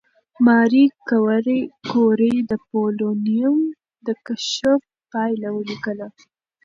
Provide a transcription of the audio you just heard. ماري کوري د پولونیم د کشف پایله ولیکله.